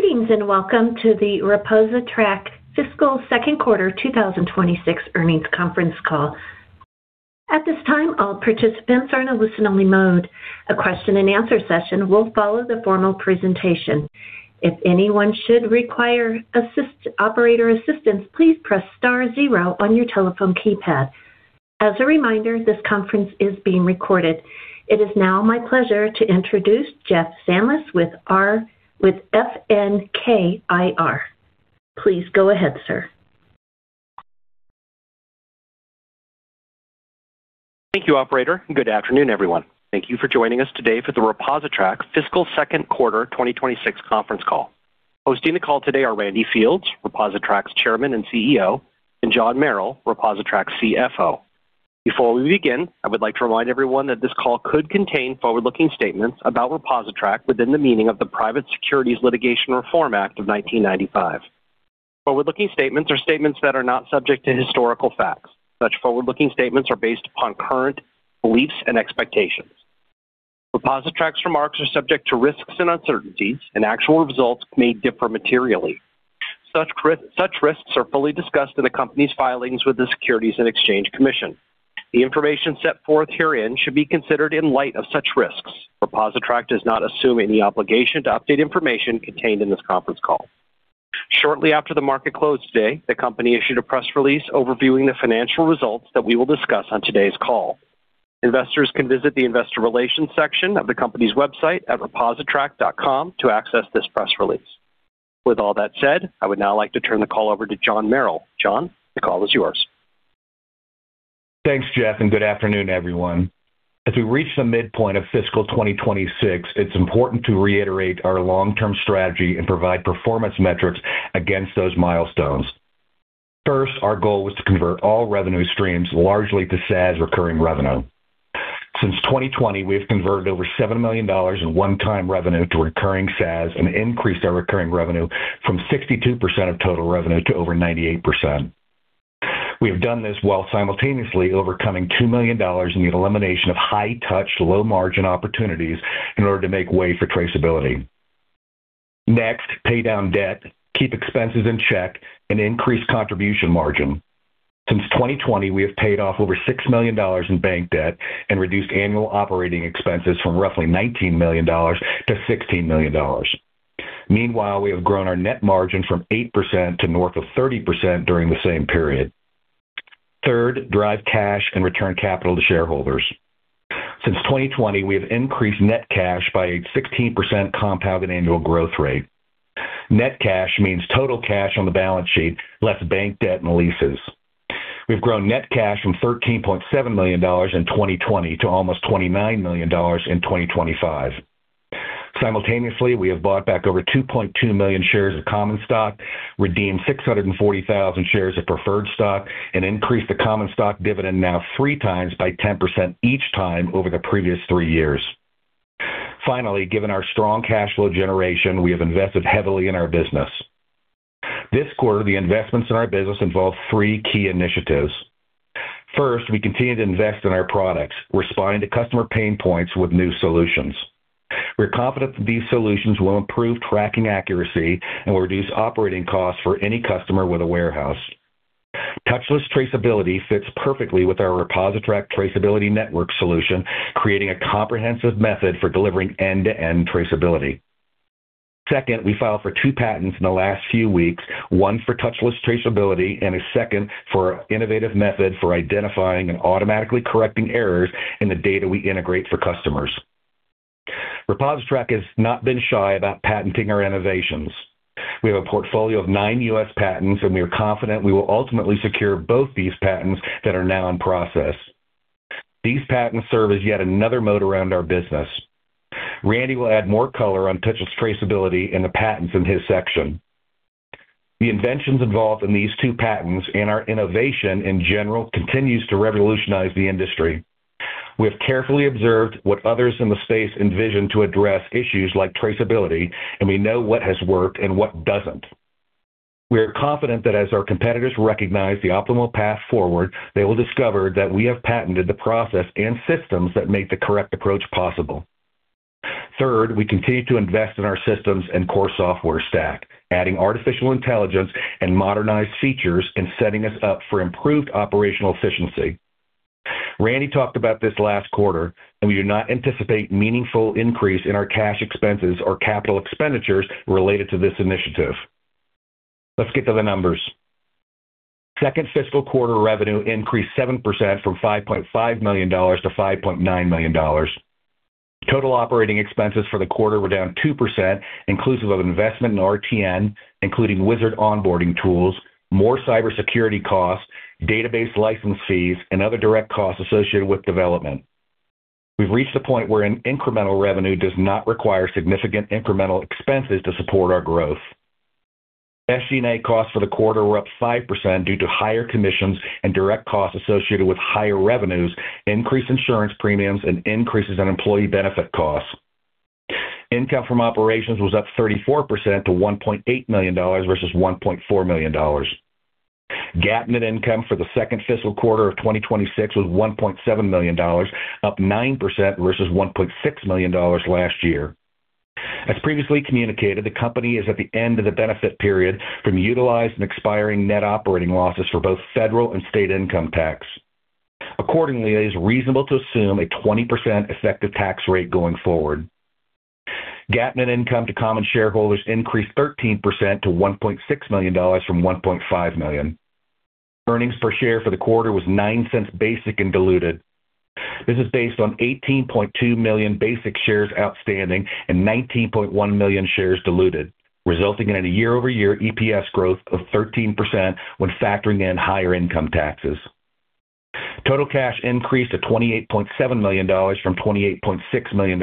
Greetings, and welcome to the ReposiTrak Fiscal Second Quarter 2026 earnings conference call. At this time, all participants are in a listen-only mode. A question-and-answer session will follow the formal presentation. If anyone should require operator assistance, please press star zero on your telephone keypad. As a reminder, this conference is being recorded. It is now my pleasure to introduce Jeff Stanlis with FNK IR. Please go ahead, sir. Thank you, operator, and good afternoon, everyone. Thank you for joining us today for the ReposiTrak Fiscal Second Quarter 2026 conference call. Hosting the call today are Randy Fields, ReposiTrak's Chairman and CEO, and John Merrill, ReposiTrak's CFO. Before we begin, I would like to remind everyone that this call could contain forward-looking statements about ReposiTrak within the meaning of the Private Securities Litigation Reform Act of 1995. Forward-looking statements are statements that are not subject to historical facts. Such forward-looking statements are based upon current beliefs and expectations. ReposiTrak's remarks are subject to risks and uncertainties, and actual results may differ materially. Such risks are fully discussed in the company's filings with the Securities and Exchange Commission. The information set forth herein should be considered in light of such risks. ReposiTrak does not assume any obligation to update information contained in this conference call. Shortly after the market closed today, the company issued a press release overviewing the financial results that we will discuss on today's call. Investors can visit the Investor Relations section of the company's website at repositrak.com to access this press release. With all that said, I would now like to turn the call over to John Merrill. John, the call is yours. Thanks, Jeff, and good afternoon, everyone. As we reach the midpoint of fiscal 2026, it's important to reiterate our long-term strategy and provide performance metrics against those milestones. First, our goal was to convert all revenue streams largely to SaaS recurring revenue. Since 2020, we have converted over $7 million in one-time revenue to recurring SaaS and increased our recurring revenue from 62% of total revenue to over 98%. We have done this while simultaneously overcoming $2 million in the elimination of high-touch, low-margin opportunities in order to make way for traceability. Next, pay down debt, keep expenses in check, and increase contribution margin. Since 2020, we have paid off over $6 million in bank debt and reduced annual operating expenses from roughly $19 million-$16 million. Meanwhile, we have grown our net margin from 8% to north of 30% during the same period. Third, drive cash and return capital to shareholders. Since 2020, we have increased net cash by a 16% compounded annual growth rate. Net cash means total cash on the balance sheet, less bank debt and leases. We've grown net cash from $13.7 million in 2020 to almost $29 million in 2025. Simultaneously, we have bought back over 2.2 million shares of common stock, redeemed 640,000 shares of preferred stock, and increased the common stock dividend now 3x by 10% each time over the previous three years. Finally, given our strong cash flow generation, we have invested heavily in our business. This quarter, the investments in our business involved three key initiatives. First, we continue to invest in our products, responding to customer pain points with new solutions. We're confident that these solutions will improve tracking accuracy and reduce operating costs for any customer with a warehouse. Touchless Traceability fits perfectly with our ReposiTrak Traceability Network solution, creating a comprehensive method for delivering end-to-end traceability. Second, we filed for two patents in the last few weeks, one for Touchless Traceability and a second for innovative method for identifying and automatically correcting errors in the data we integrate for customers. ReposiTrak has not been shy about patenting our innovations. We have a portfolio of nine U.S. patents, and we are confident we will ultimately secure both these patents that are now in process. These patents serve as yet another moat around our business. Randy will add more color on Touchless Traceability and the patents in his section. The inventions involved in these two patents and our innovation in general, continues to revolutionize the industry. We have carefully observed what others in the space envision to address issues like traceability, and we know what has worked and what doesn't. We are confident that as our competitors recognize the optimal path forward, they will discover that we have patented the process and systems that make the correct approach possible. Third, we continue to invest in our systems and core software stack, adding artificial intelligence and modernized features, and setting us up for improved operational efficiency. Randy talked about this last quarter, and we do not anticipate meaningful increase in our cash expenses or capital expenditures related to this initiative. Let's get to the numbers. Second fiscal quarter revenue increased 7% from $5.5 million-$5.9 million. Total operating expenses for the quarter were down 2%, inclusive of investment in RTN, including wizard onboarding tools, more cybersecurity costs, database license fees, and other direct costs associated with development. We've reached the point where an incremental revenue does not require significant incremental expenses to support our growth. SG&A costs for the quarter were up 5% due to higher commissions and direct costs associated with higher revenues, increased insurance premiums, and increases in employee benefit costs. Income from operations was up 34% to $1.8 million versus $1.4 million. GAAP net income for the second fiscal quarter of 2026 was $1.7 million, up 9% versus $1.6 million last year. As previously communicated, the company is at the end of the benefit period from utilized and expiring net operating losses for both federal and state income tax. Accordingly, it is reasonable to assume a 20% effective tax rate going forward. GAAP net income to common shareholders increased 13% to $1.6 million from $1.5 million. Earnings per share for the quarter was $0.09 basic and diluted. This is based on 18.2 million basic shares outstanding and 19.1 million shares diluted, resulting in a year-over-year EPS growth of 13% when factoring in higher income taxes. Total cash increased to $28.7 million from $28.6 million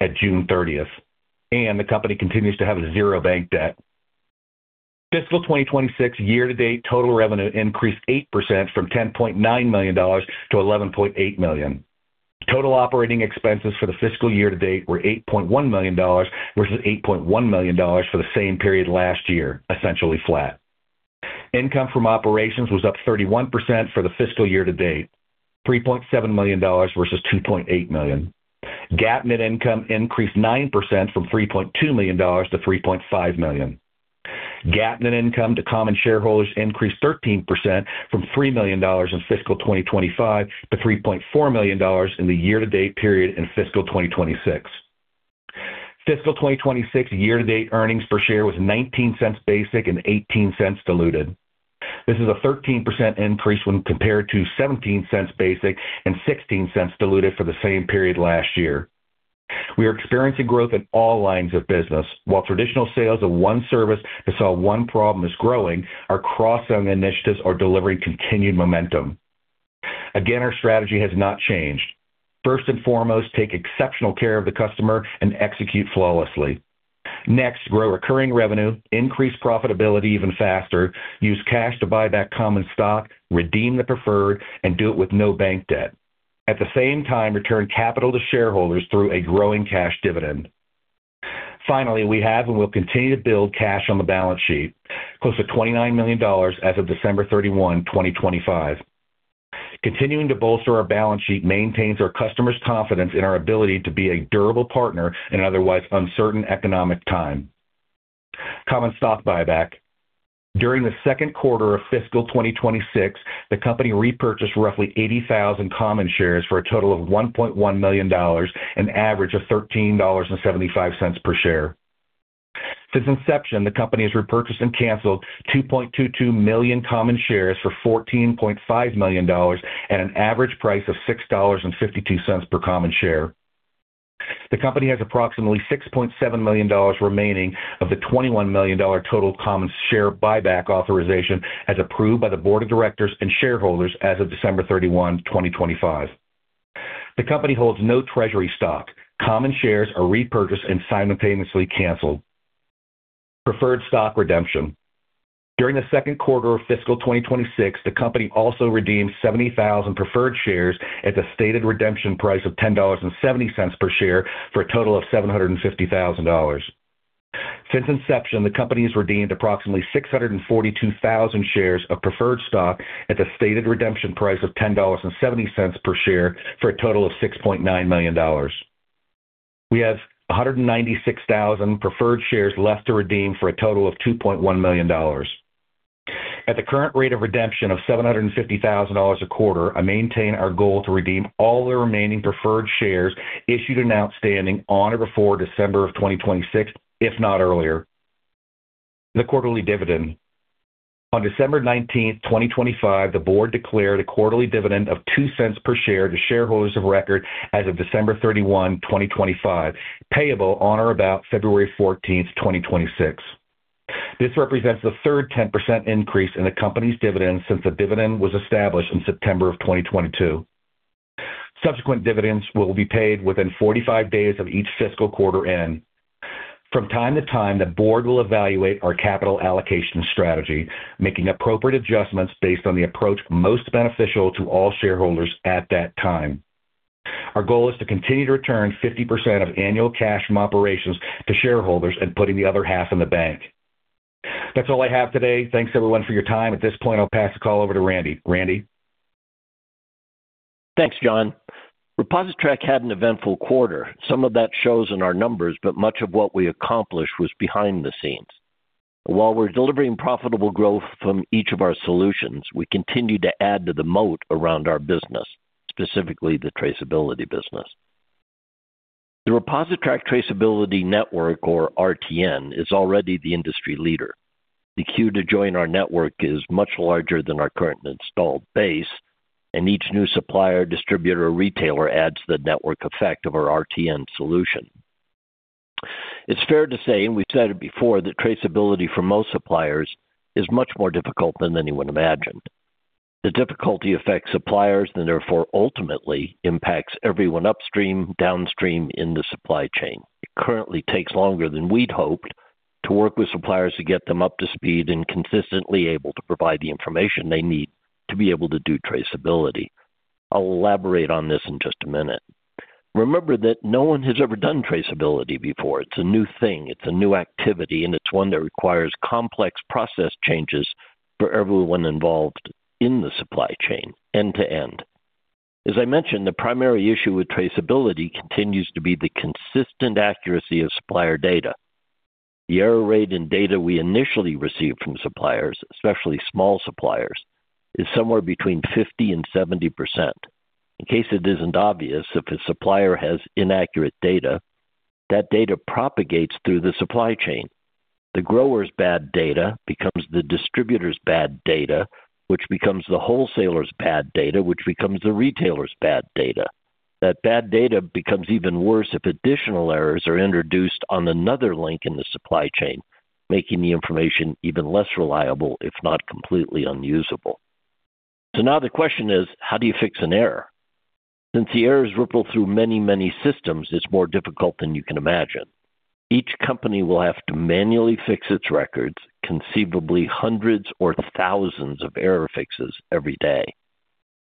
at June 30, and the company continues to have 0 bank debt. Fiscal 2026 year-to-date total revenue increased 8% from $10.9 million-$11.8 million. Total operating expenses for the fiscal year to date were $8.1 million, versus $8.1 million for the same period last year, essentially flat. Income from operations was up 31% for the fiscal year to date, $3.7 million versus $2.8 million. GAAP net income increased 9% from $3.2 million-$3.5 million. GAAP net income to common shareholders increased 13% from $3 million in fiscal 2025 to $3.4 million in the year-to-date period in fiscal 2026. Fiscal 2026 year-to-date earnings per share was $0.19 basic and $0.18 diluted. This is a 13% increase when compared to $0.17 basic and $0.16 diluted for the same period last year. We are experiencing growth in all lines of business. While traditional sales of one service to solve one problem is growing, our cross-selling initiatives are delivering continued momentum. Again, our strategy has not changed. First and foremost, take exceptional care of the customer and execute flawlessly. Next, grow recurring revenue, increase profitability even faster, use cash to buy back common stock, redeem the preferred, and do it with no bank debt. At the same time, return capital to shareholders through a growing cash dividend. Finally, we have and will continue to build cash on the balance sheet, close to $29 million as of December 31, 2025. Continuing to bolster our balance sheet maintains our customers' confidence in our ability to be a durable partner in an otherwise uncertain economic time. Common stock buyback. During the second quarter of fiscal 2026, the company repurchased roughly 80,000 common shares for a total of $1.1 million, an average of $13.75 per share. Since inception, the company has repurchased and canceled 2.22 million common shares for $14.5 million at an average price of $6.52 per common share. The company has approximately $6.7 million remaining of the $21 million total common share buyback authorization, as approved by the board of directors and shareholders as of December 31, 2025. The company holds no treasury stock. Common shares are repurchased and simultaneously canceled. Preferred stock redemption. During the second quarter of fiscal 2026, the company also redeemed 70,000 preferred shares at the stated redemption price of $10.70 per share, for a total of $750,000. Since inception, the company has redeemed approximately 642,000 shares of preferred stock at the stated redemption price of $10.70 per share, for a total of $6.9 million. We have 196,000 preferred shares left to redeem, for a total of $2.1 million. At the current rate of redemption of $750,000 a quarter, I maintain our goal to redeem all the remaining preferred shares issued and outstanding on or before December of 2026, if not earlier. The quarterly dividend. On December 19, 2025, the board declared a quarterly dividend of $0.02 per share to shareholders of record as of December 31, 2025, payable on or about February 14, 2026. This represents the third 10% increase in the company's dividend since the dividend was established in September 2022. Subsequent dividends will be paid within 45 days of each fiscal quarter end. From time to time, the board will evaluate our capital allocation strategy, making appropriate adjustments based on the approach most beneficial to all shareholders at that time. Our goal is to continue to return 50% of annual cash from operations to shareholders and putting the other half in the bank. That's all I have today. Thanks, everyone, for your time. At this point, I'll pass the call over to Randy. Randy? Thanks, John. ReposiTrak had an eventful quarter. Some of that shows in our numbers, but much of what we accomplished was behind the scenes. While we're delivering profitable growth from each of our solutions, we continue to add to the moat around our business, specifically the traceability business. The ReposiTrak Traceability Network, or RTN, is already the industry leader. The queue to join our network is much larger than our current installed base, and each new supplier, distributor, or retailer adds to the network effect of our RTN solution. It's fair to say, and we've said it before, that traceability for most suppliers is much more difficult than anyone imagined. The difficulty affects suppliers and therefore ultimately impacts everyone upstream, downstream in the supply chain. It currently takes longer than we'd hoped to work with suppliers to get them up to speed and consistently able to provide the information they need to be able to do traceability. I'll elaborate on this in just a minute.... Remember that no one has ever done traceability before. It's a new thing, it's a new activity, and it's one that requires complex process changes for everyone involved in the supply chain, end-to-end. As I mentioned, the primary issue with traceability continues to be the consistent accuracy of supplier data. The error rate in data we initially receive from suppliers, especially small suppliers, is somewhere between 50% and 70%. In case it isn't obvious, if a supplier has inaccurate data, that data propagates through the supply chain. The grower's bad data becomes the distributor's bad data, which becomes the wholesaler's bad data, which becomes the retailer's bad data. That bad data becomes even worse if additional errors are introduced on another link in the supply chain, making the information even less reliable, if not completely unusable. So now the question is: how do you fix an error? Since the errors ripple through many, many systems, it's more difficult than you can imagine. Each company will have to manually fix its records, conceivably hundreds or thousands of error fixes every day.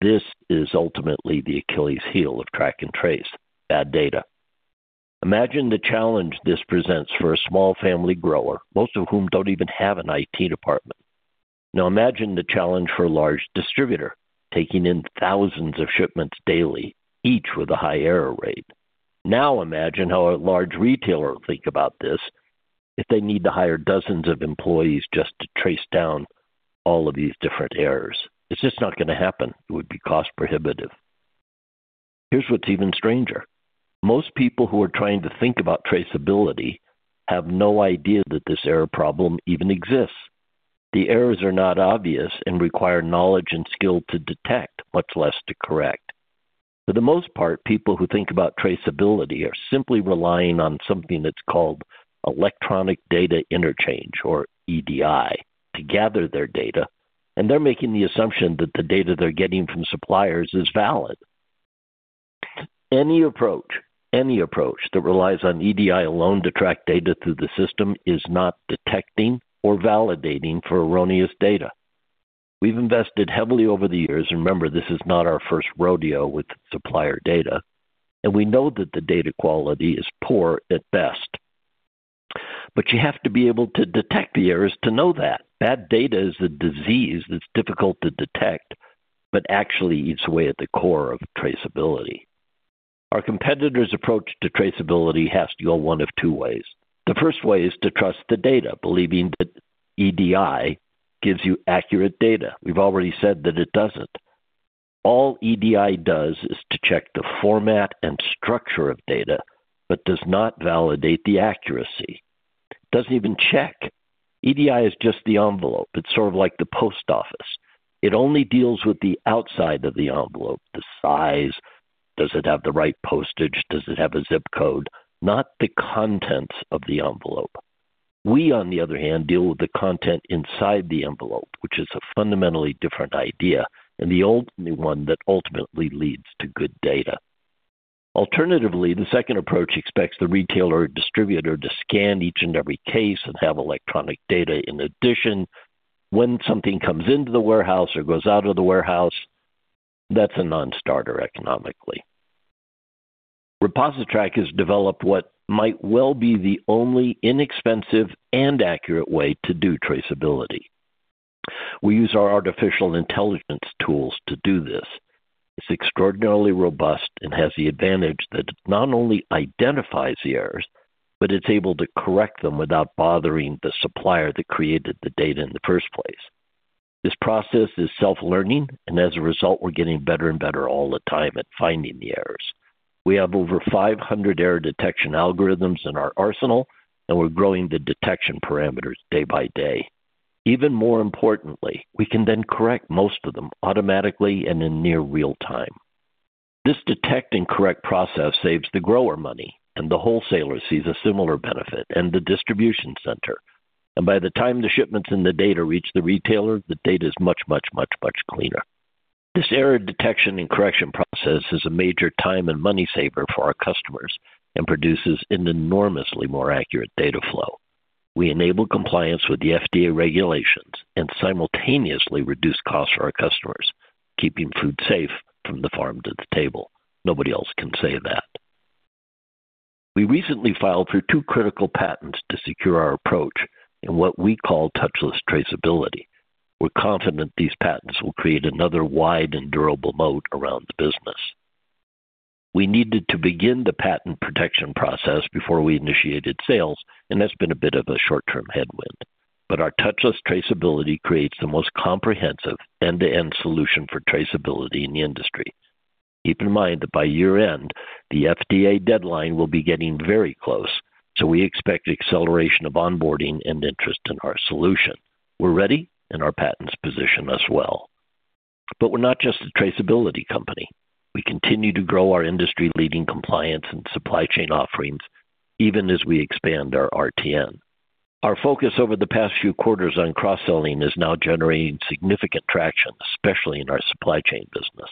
This is ultimately the Achilles heel of track and trace, bad data. Imagine the challenge this presents for a small family grower, most of whom don't even have an IT department. Now, imagine the challenge for a large distributor, taking in thousands of shipments daily, each with a high error rate. Now, imagine how a large retailer will think about this if they need to hire dozens of employees just to trace down all of these different errors. It's just not going to happen. It would be cost prohibitive. Here's what's even stranger: most people who are trying to think about traceability have no idea that this error problem even exists. The errors are not obvious and require knowledge and skill to detect, much less to correct. For the most part, people who think about traceability are simply relying on something that's called Electronic Data Interchange, or EDI, to gather their data, and they're making the assumption that the data they're getting from suppliers is valid. Any approach, any approach that relies on EDI alone to track data through the system is not detecting or validating for erroneous data. We've invested heavily over the years, and remember, this is not our first rodeo with supplier data, and we know that the data quality is poor at best. But you have to be able to detect the errors to know that. Bad data is a disease that's difficult to detect, but actually eats away at the core of traceability. Our competitor's approach to traceability has to go one of two ways. The first way is to trust the data, believing that EDI gives you accurate data. We've already said that it doesn't. All EDI does is to check the format and structure of data, but does not validate the accuracy. Doesn't even check. EDI is just the envelope. It's sort of like the post office. It only deals with the outside of the envelope, the size, does it have the right postage, does it have a zip code? Not the contents of the envelope. We, on the other hand, deal with the content inside the envelope, which is a fundamentally different idea, and the only one that ultimately leads to good data. Alternatively, the second approach expects the retailer or distributor to scan each and every case and have electronic data in addition, when something comes into the warehouse or goes out of the warehouse, that's a non-starter economically. ReposiTrak has developed what might well be the only inexpensive and accurate way to do traceability. We use our artificial intelligence tools to do this. It's extraordinarily robust and has the advantage that it not only identifies the errors, but it's able to correct them without bothering the supplier that created the data in the first place. This process is self-learning, and as a result, we're getting better and better all the time at finding the errors. We have over 500 error detection algorithms in our arsenal, and we're growing the detection parameters day by day. Even more importantly, we can then correct most of them automatically and in near real-time. This detect and correct process saves the grower money, and the wholesaler sees a similar benefit, and the distribution center. And by the time the shipments and the data reach the retailer, the data is much, much, much, much cleaner. This error detection and correction process is a major time and money saver for our customers and produces an enormously more accurate data flow. We enable compliance with the FDA regulations and simultaneously reduce costs for our customers, keeping food safe from the farm to the table. Nobody else can say that. We recently filed for two critical patents to secure our approach in what we call Touchless Traceability. We're confident these patents will create another wide and durable moat around the business. We needed to begin the patent protection process before we initiated sales, and that's been a bit of a short-term headwind. But our Touchless Traceability creates the most comprehensive end-to-end solution for traceability in the industry. Keep in mind that by year-end, the FDA deadline will be getting very close, so we expect the acceleration of onboarding and interest in our solution. We're ready, and our patents position us well. But we're not just a traceability company. We continue to grow our industry-leading compliance and supply chain offerings, even as we expand our RTN. Our focus over the past few quarters on cross-selling is now generating significant traction, especially in our supply chain business.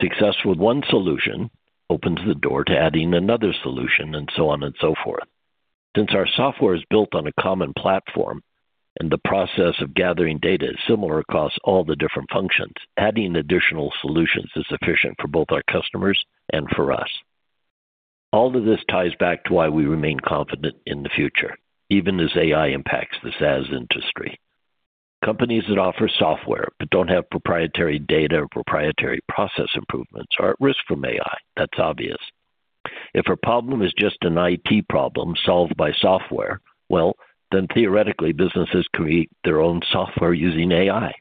Success with one solution opens the door to adding another solution and so on and so forth. Since our software is built on a common platform, and the process of gathering data is similar across all the different functions, adding additional solutions is efficient for both our customers and for us. All of this ties back to why we remain confident in the future, even as AI impacts the SaaS industry. Companies that offer software but don't have proprietary data or proprietary process improvements are at risk from AI. That's obvious. If a problem is just an IT problem solved by software, well, then theoretically, businesses can create their own software using AI.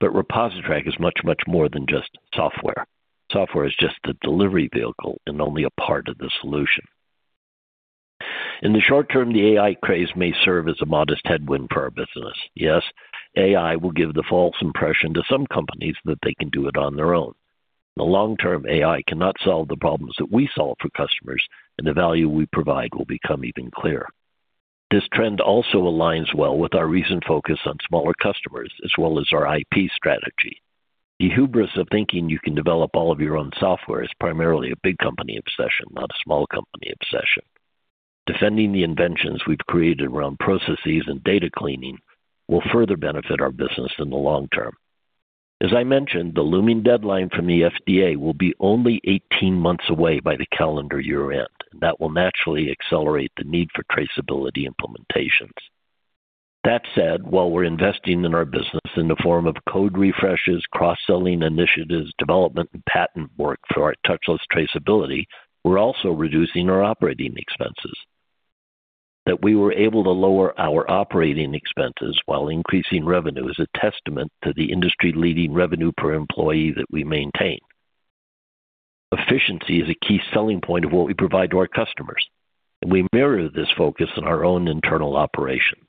But ReposiTrak is much, much more than just software. Software is just a delivery vehicle and only a part of the solution. In the short term, the AI craze may serve as a modest headwind for our business. Yes, AI will give the false impression to some companies that they can do it on their own. In the long term, AI cannot solve the problems that we solve for customers, and the value we provide will become even clearer. This trend also aligns well with our recent focus on smaller customers, as well as our IP strategy. The hubris of thinking you can develop all of your own software is primarily a big company obsession, not a small company obsession. Defending the inventions we've created around processes and data cleaning will further benefit our business in the long term. As I mentioned, the looming deadline from the FDA will be only 18 months away by the calendar year-end. That will naturally accelerate the need for traceability implementations. That said, while we're investing in our business in the form of code refreshes, cross-selling initiatives, development, and patent work for our Touchless Traceability, we're also reducing our operating expenses. That we were able to lower our operating expenses while increasing revenue is a testament to the industry-leading revenue per employee that we maintain. Efficiency is a key selling point of what we provide to our customers, and we mirror this focus on our own internal operations.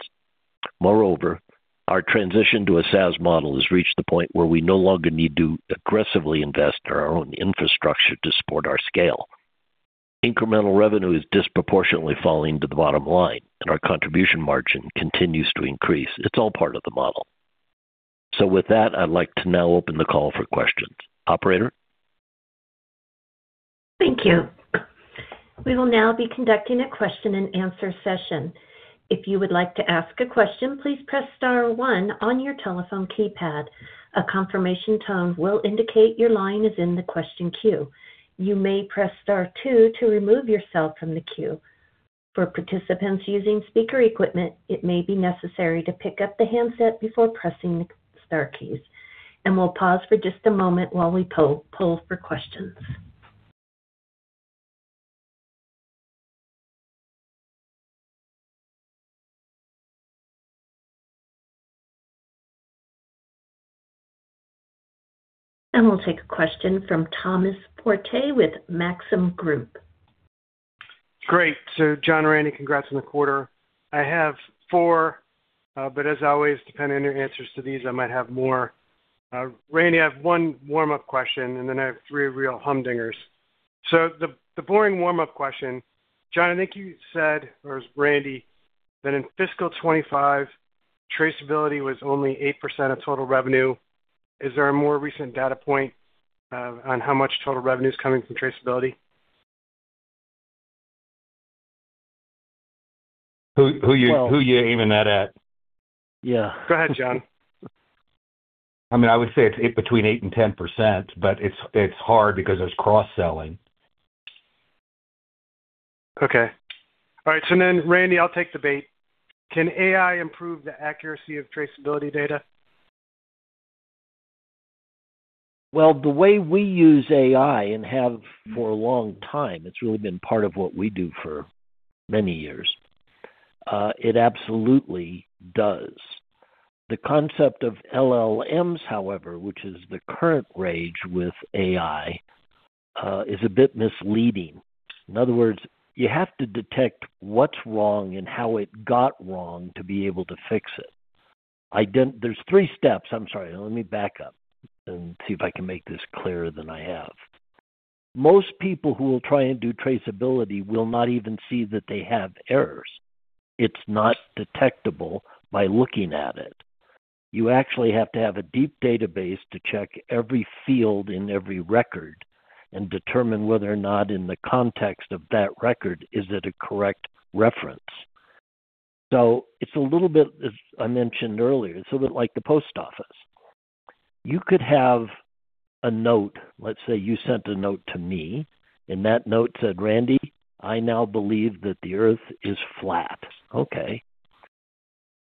Moreover, our transition to a SaaS model has reached the point where we no longer need to aggressively invest in our own infrastructure to support our scale. Incremental revenue is disproportionately falling to the bottom line, and our contribution margin continues to increase. It's all part of the model. So with that, I'd like to now open the call for questions. Operator? Thank you. We will now be conducting a question and answer session. If you would like to ask a question, please press star one on your telephone keypad. A confirmation tone will indicate your line is in the question queue. You may press star two to remove yourself from the queue. For participants using speaker equipment, it may be necessary to pick up the handset before pressing the star keys, and we'll pause for just a moment while we poll for questions. We'll take a question from Thomas Forte with Maxim Group. Great. So John, Randy, congrats on the quarter. I have four, but as always, depending on your answers to these, I might have more. Randy, I have one warm-up question, and then I have three real humdingers. So the boring warm-up question, John, I think you said, or it was Randy, that in fiscal 2025, traceability was only 8% of total revenue. Is there a more recent data point, on how much total revenue is coming from traceability? Who you aiming that at? Yeah. Go ahead, John. I mean, I would say it's between 8% and 10%, but it's, it's hard because there's cross-selling. Okay. All right, so then, Randy, I'll take the bait. Can AI improve the accuracy of traceability data? Well, the way we use AI and have for a long time, it's really been part of what we do for many years, it absolutely does. The concept of LLMs, however, which is the current rage with AI, is a bit misleading. In other words, you have to detect what's wrong and how it got wrong to be able to fix it. There's three steps. I'm sorry, let me back up and see if I can make this clearer than I have. Most people who will try and do traceability will not even see that they have errors. It's not detectable by looking at it. You actually have to have a deep database to check every field in every record and determine whether or not in the context of that record, is it a correct reference? So it's a little bit, as I mentioned earlier, it's a little like the post office. You could have a note. Let's say you sent a note to me, and that note said, "Randy, I now believe that the Earth is flat." Okay,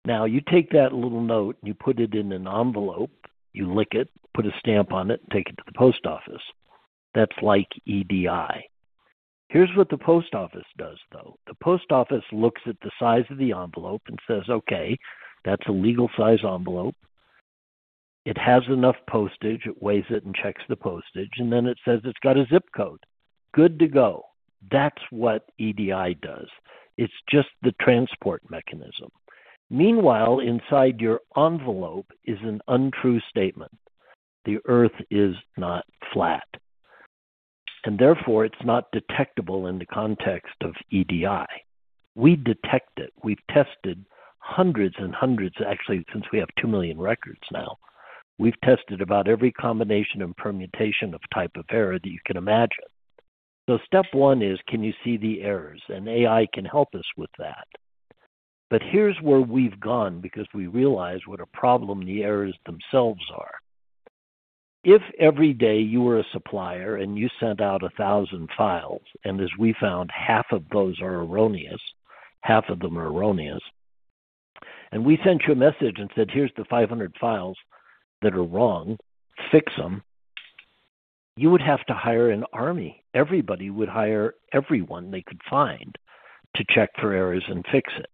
now you take that little note, and you put it in an envelope, you lick it, put a stamp on it, and take it to the post office. That's like EDI. Here's what the post office does, though. The post office looks at the size of the envelope and says, "Okay, that's a legal-size envelope. It has enough postage." It weighs it and checks the postage, and then it says, "It's got a zip code. Good to go." That's what EDI does. It's just the transport mechanism. Meanwhile, inside your envelope is an untrue statement. The Earth is not flat, and therefore, it's not detectable in the context of EDI. We detect it. We've tested hundreds and hundreds, actually, since we have 2 million records now. We've tested about every combination and permutation of type of error that you can imagine. So step one is, can you see the errors? And AI can help us with that. But here's where we've gone, because we realize what a problem the errors themselves are. If every day you were a supplier and you sent out 1,000 files, and as we found, half of those are erroneous, half of them are erroneous, and we sent you a message and said, "Here's the 500 files that are wrong, fix them," you would have to hire an army. Everybody would hire everyone they could find to check for errors and fix it.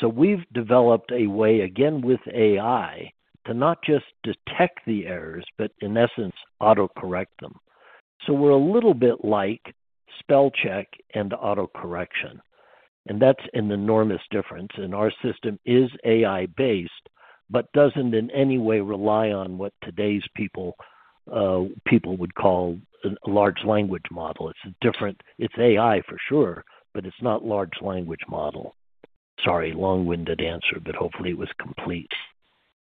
So we've developed a way, again, with AI, to not just detect the errors, but in essence, autocorrect them. So we're a little bit like spell check and autocorrection, and that's an enormous difference. And our system is AI-based, but doesn't in any way rely on what today's people would call a large language model. It's different. It's AI for sure, but it's not large language model. Sorry, long-winded answer, but hopefully it was complete.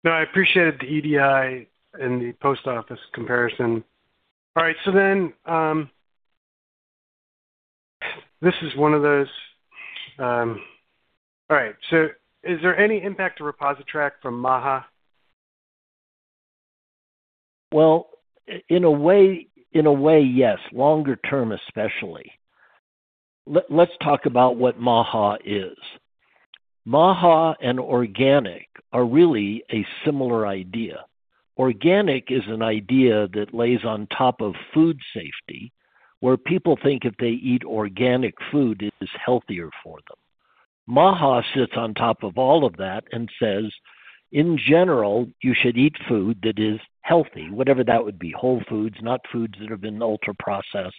No, I appreciated the EDI and the post office comparison. All right, so then, All right, so is there any impact to ReposiTrak from MAHA? Well, in a way, in a way, yes. Longer term, especially. Let's talk about what MAHA is. MAHA and organic are really a similar idea. Organic is an idea that lays on top of food safety, where people think if they eat organic food, it is healthier for them. MAHA sits on top of all of that and says, "In general, you should eat food that is healthy," whatever that would be, whole foods, not foods that have been ultra-processed,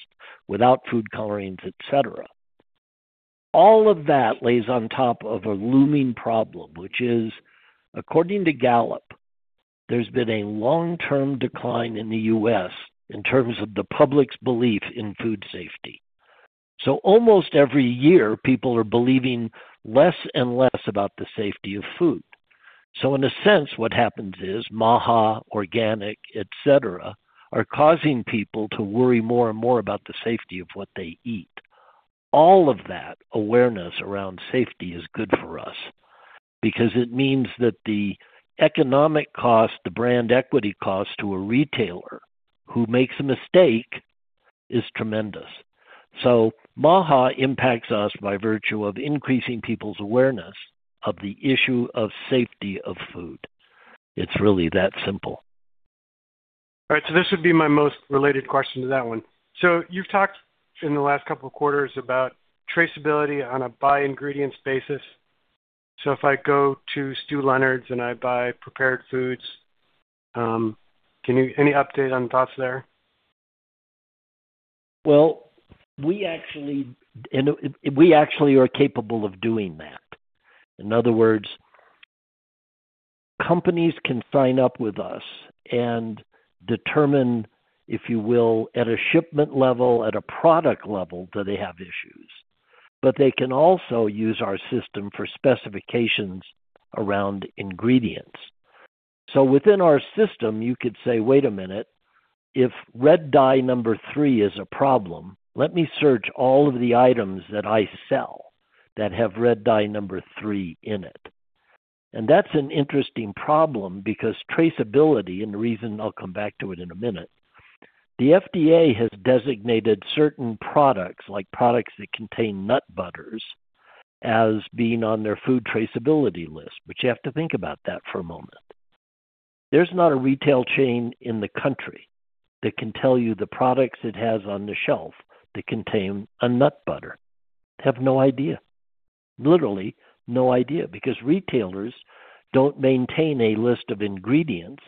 without food colorings, et cetera. All of that lays on top of a looming problem, which is, according to Gallup, there's been a long-term decline in the U.S. in terms of the public's belief in food safety. So almost every year, people are believing less and less about the safety of food. So in a sense, what happens is MAHA, organic, et cetera, are causing people to worry more and more about the safety of what they eat. All of that awareness around safety is good for us because it means that the economic cost, the brand equity cost to a retailer who makes a mistake is tremendous. So MAHA impacts us by virtue of increasing people's awareness of the issue of safety of food. It's really that simple. All right, so this would be my most related question to that one. So you've talked in the last couple of quarters about traceability on a by ingredients basis. So if I go to Stew Leonard's and I buy prepared foods, can you-- any update on thoughts there? Well, we actually are capable of doing that. In other words, companies can sign up with us and determine, if you will, at a shipment level, at a product level, do they have issues. But they can also use our system for specifications around ingredients. So within our system, you could say, "Wait a minute, if red dye number three is a problem, let me search all of the items that I sell that have red dye number three in it." And that's an interesting problem because traceability, and the reason I'll come back to it in a minute, the FDA has designated certain products, like products that contain nut butters, as being on their Food Traceability List. But you have to think about that for a moment. There's not a retail chain in the country that can tell you the products it has on the shelf that contain a nut butter. Have no idea. Literally, no idea, because retailers don't maintain a list of ingredients,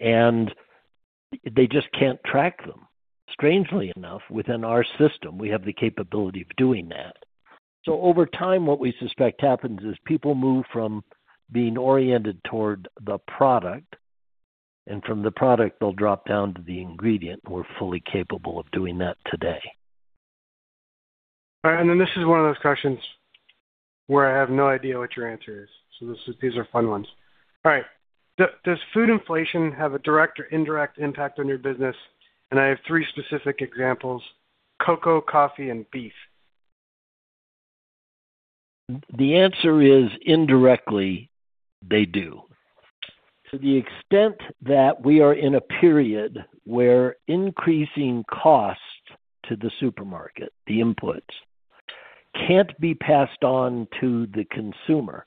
and they just can't track them. Strangely enough, within our system, we have the capability of doing that. So over time, what we suspect happens is people move from being oriented toward the product, and from the product, they'll drop down to the ingredient. We're fully capable of doing that today. All right, and then this is one of those questions where I have no idea what your answer is. So these are fun ones. All right. Does food inflation have a direct or indirect impact on your business? And I have three specific examples: cocoa, coffee, and beef. The answer is indirectly, they do. To the extent that we are in a period where increasing costs to the supermarket, the inputs, can't be passed on to the consumer,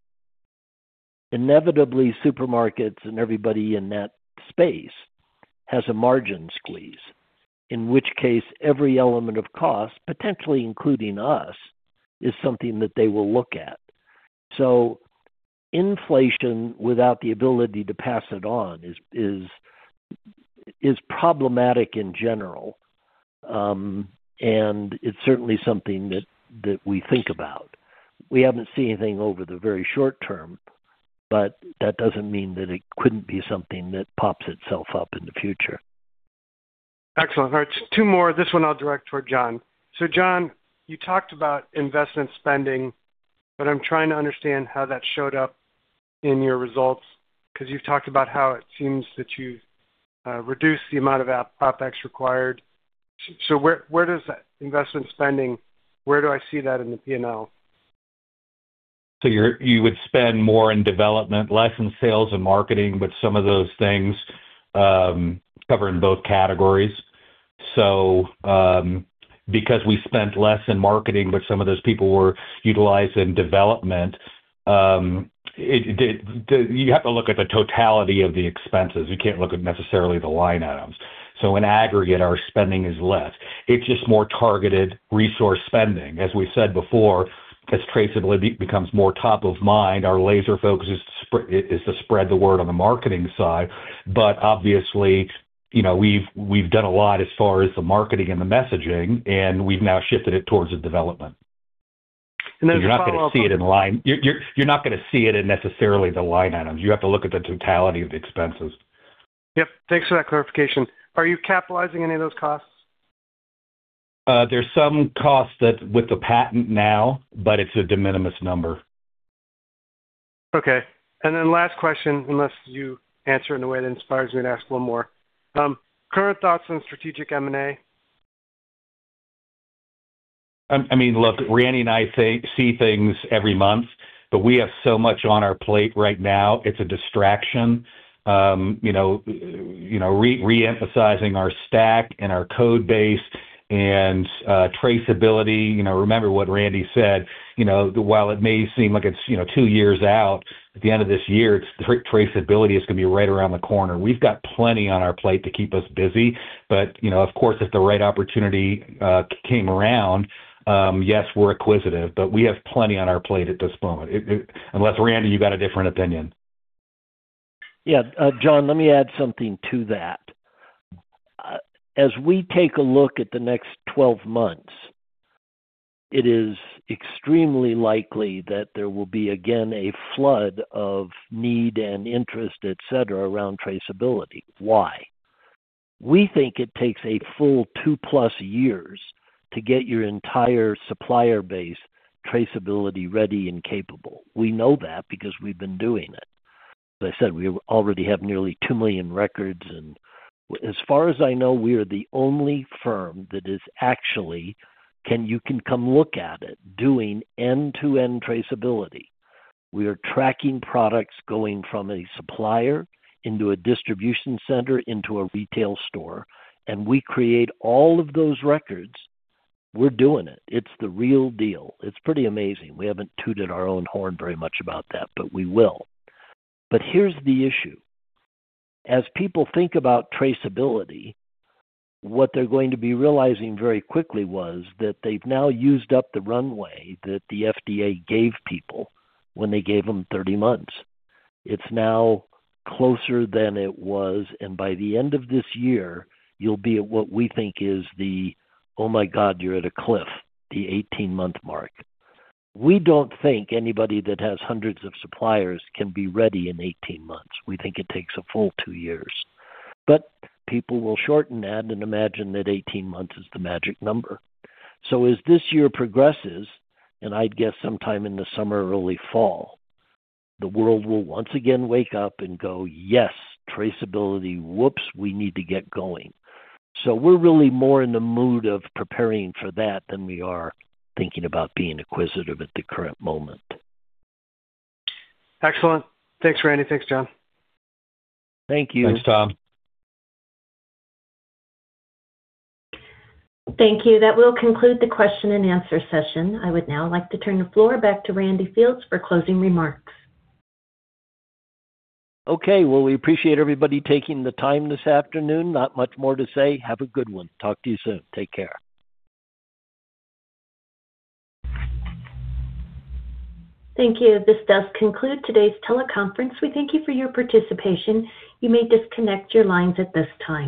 inevitably, supermarkets and everybody in that space has a margin squeeze, in which case, every element of cost, potentially including us, is something that they will look at. So inflation without the ability to pass it on is problematic in general, and it's certainly something that we think about. We haven't seen anything over the very short term, but that doesn't mean that it couldn't be something that pops itself up in the future.... Excellent. All right, two more. This one I'll direct toward John. So John, you talked about investment spending, but I'm trying to understand how that showed up in your results, because you've talked about how it seems that you reduced the amount of CapEx required. So where, where does that investment spending, where do I see that in the P&L? So you would spend more in development, less in sales and marketing, but some of those things cover in both categories. So, because we spent less in marketing, but some of those people were utilized in development, you have to look at the totality of the expenses. You can't look at necessarily the line items. So in aggregate, our spending is less. It's just more targeted resource spending. As we said before, as traceability becomes more top of mind, our laser focus is to spread the word on the marketing side. But obviously, you know, we've done a lot as far as the marketing and the messaging, and we've now shifted it towards the development. To follow up- You're not gonna see it in line. You're not gonna see it in necessarily the line items. You have to look at the totality of the expenses. Yep. Thanks for that clarification. Are you capitalizing any of those costs? There's some costs that with the patent now, but it's a de minimis number. Okay. And then last question, unless you answer in a way that inspires me to ask one more. Current thoughts on strategic M&A? I mean, look, Randy and I see things every month, but we have so much on our plate right now, it's a distraction. You know, reemphasizing our stack and our code base and traceability. You know, remember what Randy said, you know, while it may seem like it's, you know, two years out, at the end of this year, traceability is gonna be right around the corner. We've got plenty on our plate to keep us busy, but, you know, of course, if the right opportunity came around, yes, we're inquisitive, but we have plenty on our plate at this moment. It. Unless, Randy, you got a different opinion. Yeah. John, let me add something to that. As we take a look at the next 12 months, it is extremely likely that there will be, again, a flood of need and interest, et cetera, around traceability. Why? We think it takes a full two-plus years to get your entire supplier base traceability ready and capable. We know that because we've been doing it. As I said, we already have nearly 2 million records, and as far as I know, we are the only firm that is actually, You can come look at it, doing end-to-end traceability. We are tracking products going from a supplier into a distribution center, into a retail store, and we create all of those records. We're doing it. It's the real deal. It's pretty amazing. We haven't tooted our own horn very much about that, but we will. But here's the issue: as people think about traceability, what they're going to be realizing very quickly was that they've now used up the runway that the FDA gave people when they gave them 30 months. It's now closer than it was, and by the end of this year, you'll be at what we think is the, "Oh my God, you're at a cliff," the 18-month mark. We don't think anybody that has hundreds of suppliers can be ready in 18 months. We think it takes a full two years. But people will shorten that and imagine that 18 months is the magic number. So as this year progresses, and I'd guess sometime in the summer, early fall, the world will once again wake up and go, "Yes, traceability. Whoops, we need to get going." So we're really more in the mood of preparing for that than we are thinking about being acquisitive at the current moment. Excellent. Thanks, Randy. Thanks, John. Thank you. Thanks, Tom. Thank you. That will conclude the question and answer session. I would now like to turn the floor back to Randy Fields for closing remarks. Okay, well, we appreciate everybody taking the time this afternoon. Not much more to say. Have a good one. Talk to you soon. Take care. Thank you. This does conclude today's teleconference. We thank you for your participation. You may disconnect your lines at this time.